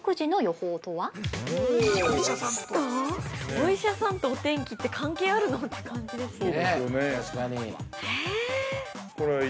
◆お医者さんとお天気って、関係あるの？って感じですよね。